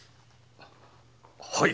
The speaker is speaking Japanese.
はい。